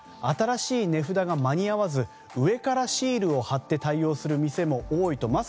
新しい値札が間に合わず上からシールを貼って対応する店も多いと。